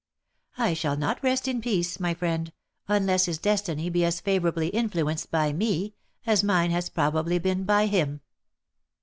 I shall not rest in peace, my friend, unless his destiny be as favourably influenced by me, as mine has probably been by him.